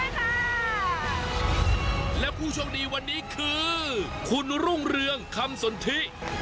ยินดีด้วยค่ะแล้วผู้โชคดีวันนี้คือคุณรุ่งเรืองคำสนทิ